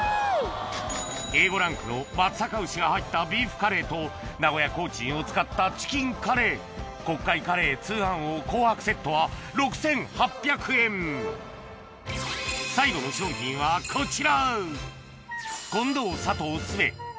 Ａ５ランクの松阪牛が入ったビーフカレーと名古屋コーチンを使ったチキンカレー最後の商品はこちら！